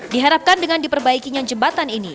diharapkan dengan diperbaikinya jembatan ini